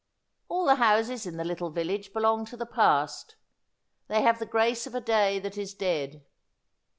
All the houses in the little village belong to the past — they have the grace of a day that is dead.